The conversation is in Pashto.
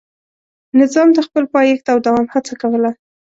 نظام د خپل پایښت او دوام هڅه کوله.